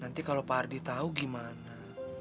nanti kalau pak ardi tahu gimana